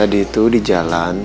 abis itu di jalan